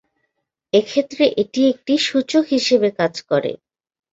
এক্ষেত্রে এটি একটি সূচক হিসাবে কাজ করে।